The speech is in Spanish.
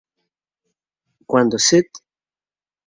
Cuándo St.